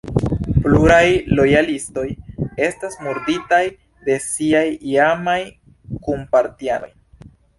Pluraj lojalistoj estas murditaj de siaj iamaj kunpartianoj.